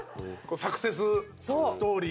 サクセスストーリー？